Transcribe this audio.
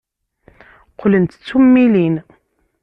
Qqlent d tummilin.